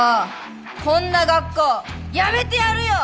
こんな学校やめてやるよ！